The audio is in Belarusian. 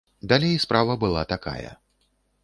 Далей справа была такая.